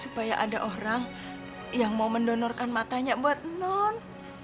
supaya ada orang yang mau mendonorkan matanya buat non